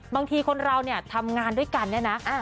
บางทีคนเราเนี่ยทำงานด้วยกันเนี่ยนะ